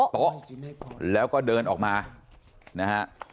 โต๊ะแล้วก็เดินออกมานะฮะ